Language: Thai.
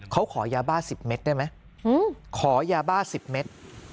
เขาขอยาบ้าสิบเม็ดได้ไหมขอยาบ้าสิบเม็ด